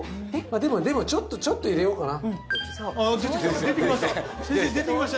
でもでもちょっとちょっと入れようかな・ああ出てきた